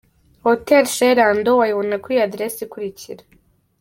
Hotel Chez Lando wayibona kuri iyi Address ikurikira.